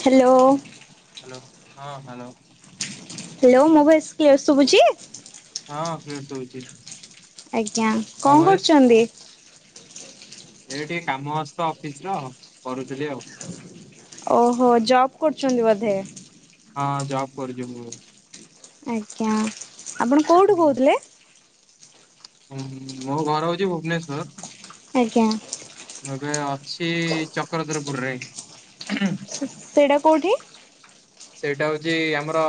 Hello. Hello ହଁ hello. Hello ମୁଁ voice clear ଶୁଭୁଛି। ହଁ କ୍ଳିଅର ଶୁଭୁଛି। ଆଜ୍ଞା ମୋ କଣ ଭଏସ୍ କରୁଚନ୍ତି। ଏ ଟିକେ କାମ ଅଛିତ ଅଫିସ ର କରୁଥିଲି ଆଉ। ଓହୋ ଜବ କରୁଛନ୍ତି ବୋଧେ ହଁ ଜବ କରୁଚି ମୁଁ। ଆଜ୍ଞା, ଆପଣ କୋଉଠୁ କହୁଥିଲେ? ହୁଁ, ମୋ ଘର ହଉଛି ଭୁବନେଶର ଆଜ୍ଞା। ମୁଁ ଏବେ ଅଛି ଚକ୍ରଧରପୁରରେ ସେଇଟା କୋଉଠି? ସେଇଟା ହଉଛି, ଆମର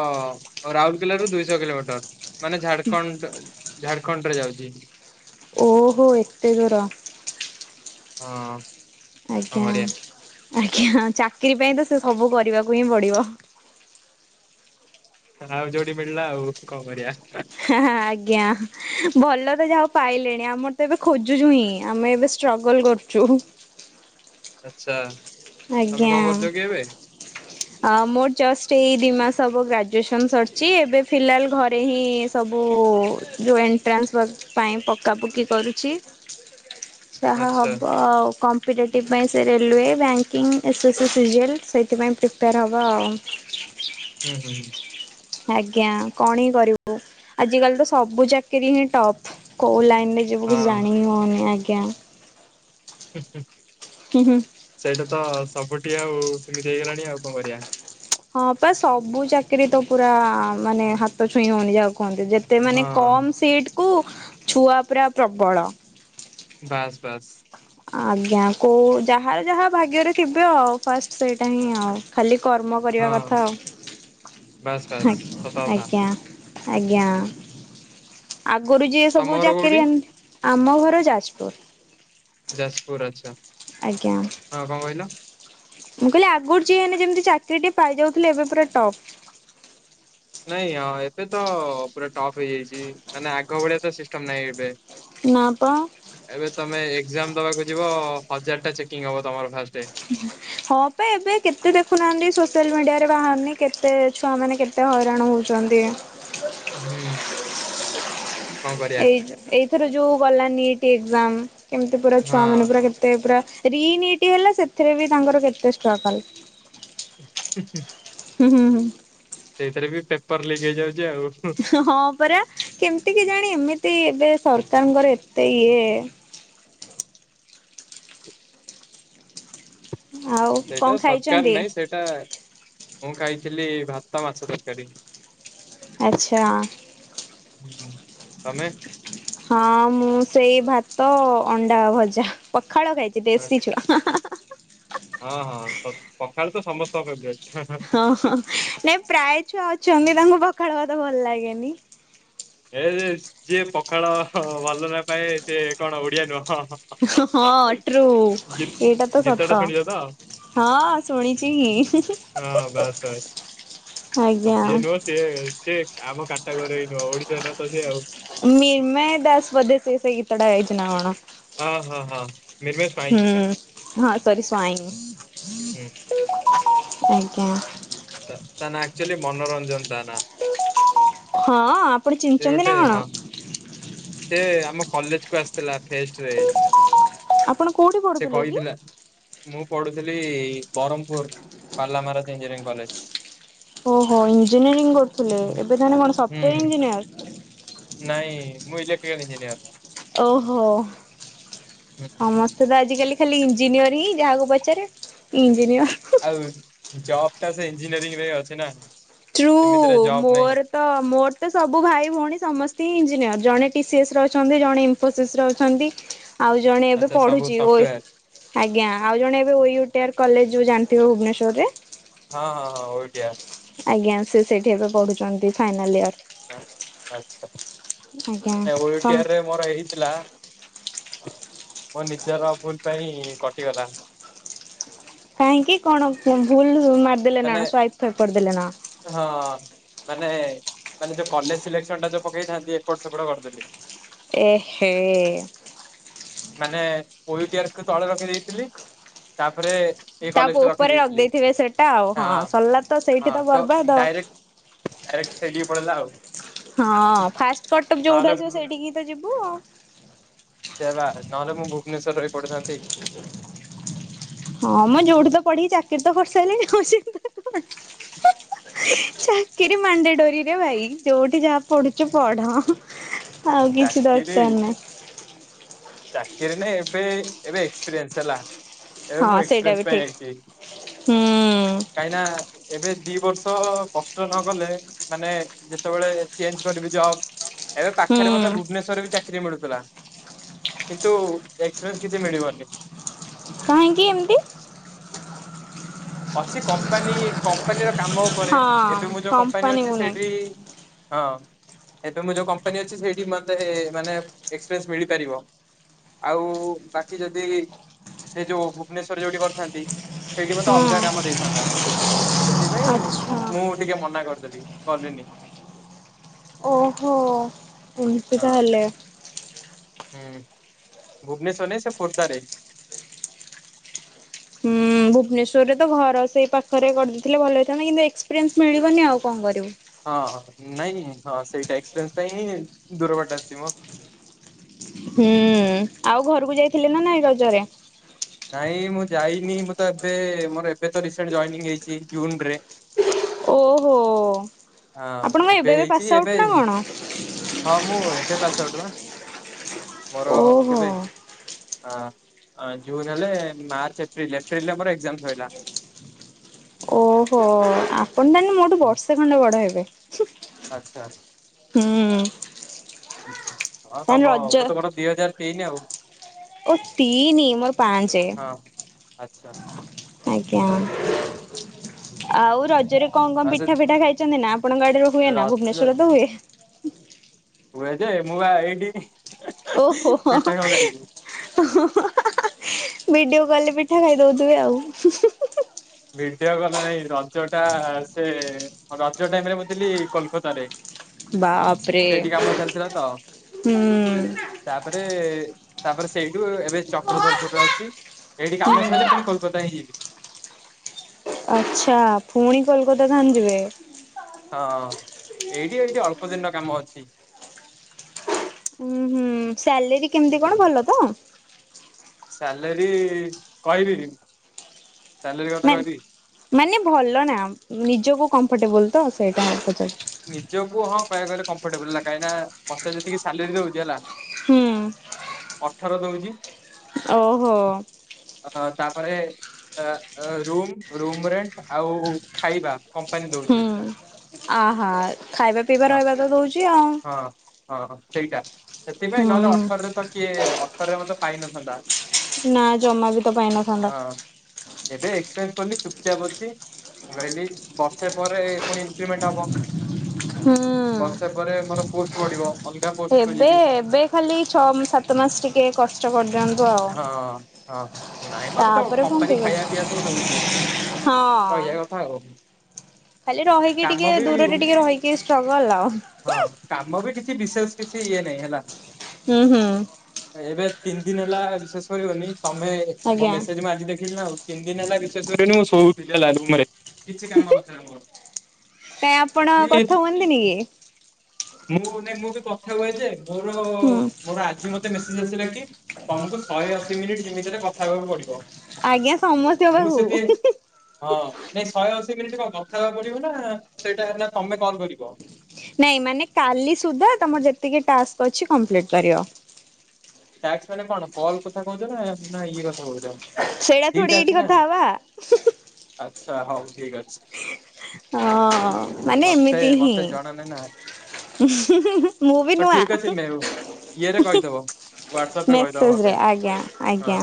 ରାଉରକେଲା ରୁ ଦୁଇଶହ କିଲୋମିଟର, ମାନେ ଝାଡଖଣ୍ଡ। ଝାଡଖଣ୍ଡ ରେ ଯାଉଛି। ଓହୋ, ଏତେ ଦୂର। ହଁ। କଣ ଆଜ୍ଞା। କରିବା ଆଜ୍ଞା, ଚାକିର ପାଇଁ ତ ସେ ସବୁ କରିବାକୁ ହିଁ ପଡିବ। ଆଉ, ଯୋଉଡି ମିଳିଲା, ଆଉ କଣ କରିବାଆ। ହ ଆଜ୍ଞା, ଭଲ ତ ଯାହା ପାଇଲେଣି, ଆମର ତ ଏବେ ଖୋଜୁଛୁ ହିଁ, ଆମେ ଏବେ ଷ୍ଟ୍ରଗଲ୍ କରୁଛୁ। ଆଛା, ତମେ କଣ ଆଜ୍ଞା କରୁଛ କି ଏବେ? ମୋର ଜଷ୍ଟ ଏଇ ଦିଇ ମାସ ହେବ ଗ୍ରାଜୁଏସନ ସରିଛି, ଏବେ ଫିଲାଲ ଘରେ ହିଁ ସବୁ ଓ ଯେଉଁ ଏଣ୍ଟ୍ରାନ୍ସ ପାଇଁ ପକ୍କା ପକି କରୁଛି। ଯାହା ଆଚ୍ଛା ହବ ଆଉ କମ୍ପିଟେଟିଭ ପାଇଁ ସେ ରେଲୱେ, ବ୍ୟାଙ୍କିଙ୍ଗ୍, ଏସ୍ଏସ୍ଏସ୍ ଜେଲ୍, ସେଇଥିପାଇଁ ପ୍ରିପେୟାର୍ ହେବ ଆଉ ହୁଁ ହୁଁ ହୁଁ। ଆଜ୍ଞା, କଣ ହିଁ କରିବୁ, ଆଜିକାଲି ତ ସବୁ ଚାକିରିୀ ହିଁ ଟପ୍, କୋଉ ଲାଇ ନିଜକୁ କିଛି ଜାଣି ହଉନି, ଆଜ୍ଞା। ହୁଁ ହୁଁ। ସେଇଟା ତ ସପୋଟ। ମିନତି ଆଉ ସେମିତି ହେଇଗଲାଣି ଆଉ କଣ କରିବା ହଁ ପା, ସବୁ ଚାକିରି ତ ପୁରା ମାନେ ହାତ ଛୁଇଁ ହଉନି, ଯାହୁ କୁହନ୍ତୁ? ଯେତେ ମାନେ ହଁ କମ ସିଟକୁ ଛୁଆ ପୁରା ପ୍ରବଳ। ବାସ୍ ବାସ୍। ଆଜ୍ଞା, କୋଉ ଯାହାର ଯାହା ଭାଗ୍ୟରେ ଥିବ, ଆଉ ଫାଷ୍ଟ ସେଇଟା ହିଁ ଆଉ ଖାଲି କର୍ମ କରିବା ହଁ କଥା, ବାସ୍ ବାସ୍ ହଁ ସତ କଥା। ଆଜ୍ଞା। ଆଜ୍ଞା। ଆଗରୁ ଯିଏ ତମ ସବୁ ଘର କୋଉଠି? ଚାକିରି, ଆମ ଘର ଯାଜପୁର। ଯାଜପୁର ଆଛା, ଆଜ୍ଞା ହଁ କଣ କହିଲ? ମୁଁ କହିଲି ଆଗରୁ ଯିଏ ହେଲେ ଯେମିତି ଚାକିରିଟି ପାଇଯାଉଥିଲେ, ଏବେ ପୁରା ଟପ୍ ନାଇଁ, ହଁ, ଏବେ ତ ପୁରା ଟପ୍ ହେଇଯାଇଛି ମାନେ ଆଗ ଭଳିଆ ତ ସିଷ୍ଟମ ନାହିଁ ଏବେ ନା ପା ଏବେ ତମେ ଏକଜାମ ଦବାକୁ ଯିବ, ହଜାରଟା ଚେକିଂ ହବ ତମର ଫାଷ୍ଟ ହଁ ପା, ଏବେ କେତେ ଦେଖୁନାହାନ୍ତି ସୋସିଆଲ ମିଡିଆରେ ତେ ବାହାରୁନି, କେତେ ଛୁଆ ମାନେ କେତେ ହଇରାଣ ହଉଛନ୍ତି, ଆ ହୁଁ। କଣ କରିବା ଏଇ, ଏଇଥର ଯୋଉ ଗଲା ନିଟ ଏକ୍ଜାମ କେମିତି ପୁରା ଛୁଆ ମାନେ ହଁ ପୁରା, କେତେ ପୁରା ରିନିଟ ହେଲା ସେ ଏଥିରେ ବି ତାଙ୍କର କେତେ ଷ୍ଟଗଲ। ଉଁ ଉଁ। ହୁଁ ହୁଁ ହୁଁ ସେଇଥିରେ ବି ପେପର ଲିକ ହେଇଯାଉଚି। ହଁ ପରା କେମିତି କିଜାଣି ଏମିତି? ତି ଏବେ ସରକାରଙ୍କର ଏତେ ଇଏ ଆଉ କଣ ସେଇଟା ସରକାର ଖାଇଛନ୍ତି? ନାଇଁ, ସେଇଟା ମୁଁ ଖାଇଥିଲି ଭାତ, ମାଛ ତରକାରୀ। ଆଚ୍ଛା। ତମେ? ହଁ ମୁଁ ସେଇ ଭାତ ଅଣ୍ଡାଭଜା ପଖାଳ ଖାଇଛି ଦେଶୀ ଛୁଆ। ହଁ ହଁ ପଖାଳତ ସମସ୍ତଙ୍କ ଫେବରାଇଟ। ହଁ ହଁ ନାଇଁ ପ୍ରାୟ ଛୁଆ ଅଛନ୍ତି ତାଙ୍କୁ ପଖାଳଭାତ ଭଲ ଲାଗେନି। ଏ ଯେ ଯିଏ ପଖାଳ ଭଲ ନ ପାଏ ସେ କଣ ଓଡିଆ ନୁହଁ। ହଁଅ ଟ୍ରୁ ଗୀ ଏଇଟା ତ ଗୀତଟା ସତ। ଶୁଣିଛ ତ ହଁ ଶୁଣିଛି ହିଁ ହିଁ। ହଁ ବାସ୍ ବାସ୍। ଯିଏ ନୁହଁ ସିଏ ସିଏ ଆମ କାଟାଗୋରି ଇ ନୁହଁ ଓଡିଶା ଦତ୍ତ ସିଏ। ମିର୍ମାଇ ଦାସ ବୋଧେ ସେ ସେଇ ଗିତଟା‌ ଗାଇଚି ନା କଣ। ହଁ ହଁ ହଁ ମିର୍ମେଇ ହୁଁ ସ୍ୱାଇଁ। ହଁ ସରି ହୁଁ ସ୍ୱାଇଁ ଆଜ୍ଞା। ତା ତା ନା ଆକ୍ଚୁଆଲି ମନୋଞ୍ଜନ। ହଁ ଆପଣ ସେ ଚିହ୍ନିଛନ୍ତି ଗୋଟେ ନା କଣ। ହଁ। ସେ ଆମ କଲେଜକୁ ଆସିଥିଲା। ଫେଷ୍ଟରେ। ଆପଣ କୋଉଠି ସେ ପଢୁଥିଲେ କି? କହିଥିଲା ମୁଁ ପଢୁଥିଲି ବରମପୁର ପାଲା ମାରାଜ ଇଞ୍ଜିନିଅରିଂ କଲେଜ। ଓହୋ ଇଞ୍ଜିନିୟରିଂ କରୁଥିଲେ ଏବେ ତାହଲେ କଣ ହୁଁ ସଫ୍ଟଓୟାର ଇଞ୍ଜିନିୟର। ନାଇଁ ମୁଁ ଇଲେକ୍ଟ୍ରିକାଲ ଇଞ୍ଜିନିୟର। ଓହୋଓ ହୁଁ। ସମସ୍ତେ ତ ଆଜିକାଲି। ଖାଲି ଇଞ୍ଜିନିୟରିହି ଯାହାକୁ ପଚାରେ ଇଞ୍ଜିନିୟର। ଜବ୍ଟା ସେ ଇଞ୍ଜିନିୟରିଂରେ ଅଛି ନା। ଟ୍ରୁ ସେମିତିରେ ଜବ୍ ନାହିଁ ମୋରତ ମୋରତ ସବୁ ଭାଇ ଭଉଣୀ ସମସ୍ତେ ହିଁ ଇଞ୍ଜିନିୟର ଜଣେ। ଇସିସିସିରେ ଅଛନ୍ତି ଜଣେ ଇନଫୋସିସ ଅଛନ୍ତି। ଆଉ ଜଣେ ଏବେ ଆଚ୍ଛା ସବୁ ପଢୁଛି ସଫ୍ଟୱେର ଓଏସ ଆଜ୍ଞା ଆଉ ଜଣେ ଏବେ ଓଟିଏଆର କଲେଜ ଯୋଉ ଜାଣି ଥିବେ ଭୁବନେଶ୍ଵରରେ। ହଁ ହଁ ହଁ ଓଟିଆର। ଆଜ୍ଞା ସେ ସେଇଠି ଏବେ ପଢୁଛନ୍ତି ଫାଇନାଲ ଇୟର। ଆଛା ଆଜ୍ଞା ସମ୍ ଓଏଟିଆରେ ମୋର ହେଇଥିଲା। ମୋ ନିଜର ଭୁଲ ପାଇଁ କଟିଗଲା। କାହିଁକି କଣ ଭୁଲ ମାରିଦେଲେ ନା ମାନେ କଣ ସ୍ଵାୟତ କରିଦେଲେ ନାକଣ। ହଁ। ମାନେ ମାନେ ଯୋଉ କଲେଜ ସିଲେକ୍ସନ ଟା ଯୋଉ ପକେଇଥାନ୍ତି ଏପଟ ସେପଟ କରିଦେଲି। ଏହେ ଏ। ମାନେ ଓଏଟିଆର ତଳେ ରଖି ଦେଇେଇଥିଲି ତାପରେ ଏ ତା କଲେଷ୍ଟ ଉପରେ ରଖିଦେଇଥିଲି ରଖିଦେଇଥିବେ ସେଟା ଆଉ ହଁ ସରିଲା ତ ସେଇଠି ହଁ ତ ବର୍ବାଦ ଆଉ। ଡାଇରେକ୍ଟ ଡାଇରେକ୍ଟ ସେଇଠିକି ପଳେଇଲା ଆଉ। ହଁ ଫାଷ୍ଟ କଟକ ଯୋଉଠୁ ଆସିବ ନହେଲେ ସେଇଠିକି ତ ଯିବୁ ଆଉ। ସେ ବା ନହେଲେ ମୁଁ ଭୁବନେଶ୍ଵର ରହି ପଢିଥାନ୍ତି। ହଁ ମ ଯଉଠି ତ ପଢିକି ଚାକିରିତ କରିରସାଇଲେଣି ଆଉ ସେ ହି ହି ହି ଚାି ରି ମାଣ୍ଡାଡୋରୀରିରେ ଭାଇ ଜଉଠି ଯାହା ପଢୁଚ ପଢ। ଆଉ କିଛି ଚାକିରି ଦରକାର ନାହିଁ। ଚାକିରି ନା ଏବେ ଏବେ ଏକ୍ସପିରିଏନ୍ସ ହେଲା। ଏବେ ହଁ ମୁଁ ସେଇଟା ଏକ୍ସପ୍ରିଏନ୍ସ ବି ପାଇଁ ଠିକ୍ ଆଇଚି ହୁଁ କାହିଁକି ନା। ଏବେ ଦି ବର୍ଷ କଷ୍ଟ ନ ଗଲେ ମାନେ ଯେତେବେଳେ ଚେଞ୍ଜ କରିବି ଜବ୍ ଏବେ ହୁଁ ପାଖରେ ମୋତେ ଭୁବନେଶ୍ଵରରେ ବି ଚାକିରି ମିଳୁଥିଲା। କିନ୍ତୁ ଏକ୍ସପ୍ରିଏନ୍ସସ କିଛି ମିଳିବନି। କାହିଁକି ଏମିତି। ଅଛି କମ୍ପାନୀ କମ୍ପାନୀର କାମ ଉପରେ ହଁ ଏବେ ମୁଁ ଯୋଉ କମ୍ପାନୀ ଅଛି କମ୍ପାନୀକୁ ସେଇଠି ନେଇକି ହଁ, ଏବେ ମୁଁ ଯେଉ କମ୍ପାନୀ ଅଛି ସେଇଠି ମତେ ମାନେ ଏକ୍ସପିରିସ ମିଳିପାରିବ। ଆଉ ବାକି ଯଦି ସେ ଯୋଉ ଭୁବନେଶରରେ ଯୋଉଠି କରିଥାନ୍ତି, ସେଇଠି ମଧ୍ୟ ତ ହୁଁ ଅଲଗା କାମ ଦେଇଥାନ୍ତା। ସେଥିପାଇଁ, ଆଚ୍ଛା ମୁଁ ଟିକେ ମନା କରିଦେଲି, ଗଲିନି। ଓହୋ, ଏମତି ହଁ ତାହଲେ ହୁଁ, ଭୁବନେଶ୍ଵରରେ ନାଇଁ, ସେ ଖୋର୍ଦ୍ଧାରେ ହୁଁ, ଭୁବନେଶ୍ୱରରେ ତ ଘର ସେଇ ପାଖରେ କରିଦେଇଥିଲେ ଭଲ ହୋଇଇଥାନ୍ତା କିନ୍ତୁ ଏକ୍ସପିରିସ ମିଳିବନି ଆଉ କଣ କରିବୁ? ହଁ, ନାଇଁ ହଁ ସେଇଟା, ଏକ୍ସିପେନ୍ସ ପାଇଁ ହିଁ ଦୂର ବାଟ ଆସିଛି ମ ହୁଁ ଆଉ ଘରକୁ ଯାଇଥିଲେ ନା ନାଇ ରଜରେ? ନାଇଁ ମୁଁ ଯାଇନି, ମୁଁ ତ ଏବେ ମୋର ଏବେ ତ ରିସେଣ୍ଡ ହେଇଛି ଜଏନିଙ୍ଗ ଜୁନରେ ଓହୋ ହଁ ଆପଣଙ୍କ ଏବେ ପାସ୍ ହେଇଛି, ଆଉଟ୍ ଏବେ, ନା କଣ ହଁ ମୁଁ ଏବେ ପାସ ଉଠିବା। ମୋର ଓହୋ କେବେ? ଜୁନ ହେଲେ, ମାର୍ଚ୍ଚ ଏପ୍ରିଲ, ଏପ୍ରିଲରେ ଆମର ଏଜାମ ସଇଲା। ଓହୋ, ଆପଣ ତାନଲେ ମୋରଠୁ ବର୍ଷେ ଖଣ୍ଡେ ବଡ ହେବେ। ଆଚ୍ଛା। ହୁଁ। ହଁ ତାହେଲେ ତମ, ରଜ ମୁଁ ତ ମୋର ଦିଇ ହଜାର ତିନି ଆଉ ଓ ତିନି, ମୋର ପାଞ୍ଚ ହଁ। ଆଚ୍ଛା। ଆଜ୍ଞା। ଆଉ ରଜରେ କଣ କଣ ଆଉ ସେ ପିଠା ଫିଠା ଖାଇଛନ୍ତି ନା? ଆପଣଙ୍କ ଆଡରେ ହୁଏ ନା ରଜ ଭୁବନେଶ୍ଵର ତ ହୁଏ। ହୁଏ ଯେ, ମୁଁ ପା ଏଇଡି ଓହୋ ହଁ [unintelligible] ଭିଡିଓ କଲ୍ ରେ ପିଠା ଖାଇଦଉଥିବେ ଆଉ [unintelligible] ଭିଡିଓ କଲ୍ ରେ ନାଇଁ, ରଜ ଟା ସେ, ରଜ ଟାଇମରେ ମୁଁ ଥିଲି କୋଲକତାରେ। ବାପରେ ସେଇଠି କାମ ଚାଲିଥିଲା ତ, ହୁଁ ତାପରେ ତାପରେ ସେଇଠୁ, ଏବେ ଚକ୍ରଧରପୁରରେ ଅଛି। ଏଇଠି କାମ ସରିଲେ ପୁଣି କୋଲକାତା ହିଁ ଯିବି। ଆଚ୍ଛା, ପୁଣି କୋଲକାତା ତାହେନେ ଯିବେ। ହଁ ଏଇଠି, ଏଇଠି ଅଳ୍ପ ଦିନର କାମ ଅଛି। ହୁଉଁ, ସାଲେରୀ କେମିତି କଣ ଭଲ ତ? ସାଲେରୀ, କହିବି ସାଲେରୀ ନା କଥା କହିବି? ମାନେ ଭଲ ନା ନିଜକୁ କମ୍ଫଟେବୁଲୁ ତ ସେ ନିଜକୁ ହଁ କହିବାକୁ ଗଲେ, କମ୍ଫର୍ଟେବଲଲା କାହିଁକି ନା ମତେ ଯେତିକି ସାଲେରୀ ଦଉଛି ହେଲା। ହୁଁ ଅଠର ଦଉଛି। ଓ ହୋ ଅ ତାପରେ ର ରୁମ୍, ରୁମ୍ ରେ, ଆଉ ଖାଇବା କମ୍ପାନୀ ଦଉଛି। ଆ ହା ଖାଇବା, ପିଇବା, ହଁ ରହିବା ତ ଦେଉଛି ଆଉ ହଁ, ହଁ, ସେଇଟା ସେଥିପାଇଁ ନହେଲେ ହୁଁ। ଅଠରରେ ତ କିଏ ଅଠରରେ ମତେ ପାଇନଥାନ୍ତା। ନା ଜମା ବି ତ ପାଇନଥାନ୍ତା। ହଁ [inaudible] ଏବେ ଚୁପଚାପ୍ ଅଛି, ମୁହି କହିଲି ବର୍ଷେ ପରେ ପୁଣି ଇନକ୍ରିମେଣ୍ଟ ହବ। ବର୍ଷେ ପରେ ହୁଁ ମୋର ପୋଷ୍ଟ ବଢିବ। ଅଲଗା ପୋଷ୍ଟକୁ ଏବେ ଯିବି ଏବେ ଖାଲି ଛଅ, ସାତ ମାସ, ଟିକେ କଷ୍ଟ କରି ଦିଅ ହଁ ହଁ ନାଇଁ ମ, ତ ତାପରେ କଣ କମ୍ପାନୀ ଠିକ ଖାଇବା ଅଛି ପିଇବା ସବୁ ଦଉଛି, ତ ହଁ। ଏଇଆ କଥା ଆଉ ଖାଲି ରହିକି ଟିକେ କାମ ବି, ଦୂରରେ ଟିକେ ରହିକି ଷ୍ଟ୍ରଗଲ ଆଉ। ହଁ କାମ ବି କିଛି କିଛି ବିଶେଷ କିଛି ଇଏ ନାଇଁ ହେଲା। ହୁଁ, ହୁଁ। ଏବେ ତିନି, ଦିନ ହେଲା ବିଶ୍ବାସ କରିବନି ତମେ, ତମ ଆଜ୍ଞା ମେସେଜ ମୁଁ ଆଜି ଦେଖିଲିନା। ଆଉ ତିନି, ଦିନ ହେଲା ବିଶ୍ବାସ କରିବନି ମୁଁ ସୋଉ [unintelligible] କିଛି କାମ ନଥିଲା ଆମର କାଇଁ ଆପଣ କଥା ହୁଅନ୍ତିନି କି? ମୁଁ ନାଇଁ, ମୁଁ ବି କଥା ହୁଏ ଯେ। ମୋର, ହୁଁ। ମୋର ଆଜି ମତେ ମେସେଜ ଆସିଲା କି, ତମକୁ ଶହେ ଅଶୀ ମିନିଟ୍ ଯେମିତି ହେଲେ, କଥା ହେବାକୁ ପଡିବ। ଆଜ୍ଞା ସମସ୍ତଙ୍କ ମୁଁ ସେତେ, ପାଖକୁ ହଁ ନା ଶହେଅଶୀ ମିଣ୍ଟି, କଣ କଥା ହେବାକୁ ପଡିବ ନା, ସେଇଟା ତମେ କଣ କରିବ? ନାଇଁ ମାନେ କାଲି ସୁଧା, ତମର ଯେତିକି ଟାସ୍କ ଅଛି, କମ୍ପ୍ଲିଟ୍ କରିବ। ଟାସ୍କ ମାନେ କଣ? କଲ୍ କଥା କହୁଛ, ନା ଇଏ କଥା କହୁଛ? ସେଇଟା ଦିଟା ଥୋଡି, ଅଛି ଏଇଠି ନା କଥା ହବା। ଆଚ୍ଛା ହଉ ଠିକ୍ ଅଛି। ହଁ, ମାନେ ମତେ ଏମିତି ହିଁ ମତେ ଜଣା ନାହିଁ ନା ମୁଁ ବି ହଉ ନୁଆ। ଠିକ୍ ଅଛି ମେହୁ ଇଏରେ କହିଦବ। ହ୍ୱାଟ୍ସଆପ ରେ କହିଦବ ମେସେଜରେ, ମତେ ଆଜ୍ଞା, ଆଜ୍ଞା। ହଁ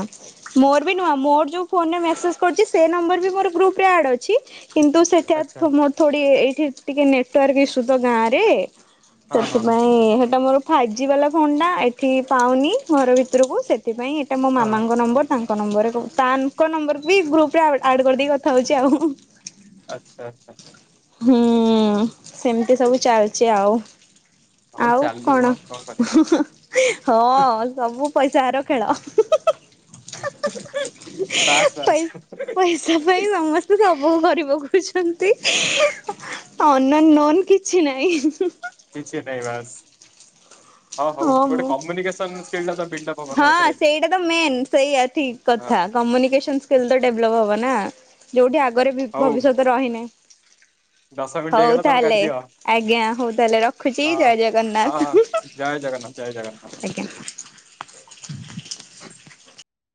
ମୋର ବି ନୁଆ। ମୋର ଯୋଉ, ଫୋନ୍ ରେ ମେସେଜ କରୁଛି, ସେ ନମ୍ବର ବି ମୋର ଗ୍ରୁପ୍ ରେ ଆଡ୍ ଅଛି। କିନ୍ତୁ ସେଠା ଆଚ୍ଛା ଥୋଡି ଏ ଏଠି ଟିକେ ନେଟୱାର୍କ ଇସୁ ତ ଗାଁ ରେ, ହଁ ହଁ ସେଥିପାଇଁ ହଁ ସେଟା ମୋର ଫାଇପ୍ ଜି ବାଲା ଫୋନ୍ ଟା, ଏଠି ପାଉନି ଘର ଭିତରକୁ। ସେଥିପାଇଁ ଏଇଟା ମୋ ହଁ ମାମାଙ୍କ ନମ୍ବର ତାଙ୍କ ତା ନମ୍ବରରେ କୋଉ, ତାଙ୍କ ନମ୍ବର ବି ଗ୍ରୁପରେ ଆ-ଆଡ କରି ଦେଇ କଥା ହଉଛି ଆଉ। ଆଚ୍ଛା, ଆଚ୍ଛା। ହୁଁ, ସେମିତି ସବୁ ଚାଲିଛି ଆଉ। ହଉ ଆଉ ଚାଲୁ କଣ? ମ କରିବା ହି, ହି--ହଁ ସବୁ ପଇସାର ଖେଳ। ହା ହା ବାସ୍ ବାସ୍ ହା-ପଇ-ପଇସା ପାଇଁ ସମସ୍ତେ ସବୁ ବୁ, କରି ପକଉଛନ୍ତି। ଅନ- ନନ କିଛି ନହିଁ। କିଛି ନାଇଁ ବାସ୍। ହଁ, ହଉ। ଗୋଟେ କମ୍ୟୁନିକେସନ ସ୍କିଲ୍ ତା ବିଲ୍ ଟା ହବ ନା ହଁ ଏଥିରେ ସେଇଟା ତ ମେନ୍। ସେଇଆ ଠିକ୍ ହଁ କଥା, କମ୍ୟୁନିକସନ ସ୍କିଲ୍ ତ, ଡେଭଲପ୍ ହବ ନା। ଯୋଉଠି ଆଗରେ ହଉ ବି-ଭବିଷ୍ୟତ ରହିନହିଁ। ଦଶ ମିନିଟ୍ ହଉ ହେଇଗଲା ତମେ ତାହଲେ, କାଟିଦିଅ ଆଜ୍ଞା। ହଉ ତାହଲେ ରଖୁଛି, ହଉ ଜୟ ଜଗନ୍ନାଥ। ହଁ ଜୟ ଜଗନ୍ନାଥ ଜୟ ଜଗନ୍ନାଥ। ଆଜ୍ଞା।